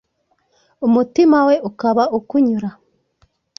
umutima we ukaba ukunyura,